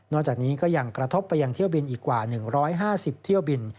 จากนี้ก็ยังกระทบไปยังเที่ยวบินอีกกว่า๑๕๐เที่ยวบิน